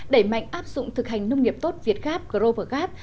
đẩy mạnh áp dụng thực hành nông nghiệp tốt việt gap grover gap